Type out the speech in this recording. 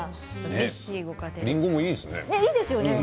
りんごもいいですよね。